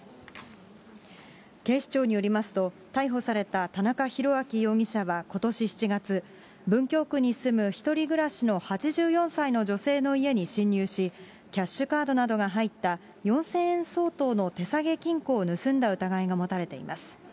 警視庁によりますと、逮捕された田中広明容疑者はことし７月、文京区に住む１人暮らしの８４歳の女性の家に侵入し、キャッシュカードなどが入った４０００円相当の手提げ金庫を盗んだ疑いが持たれています。